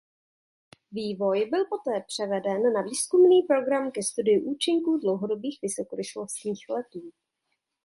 Vývoj byl poté převeden na výzkumný program ke studiu účinků dlouhodobých vysokorychlostních letů.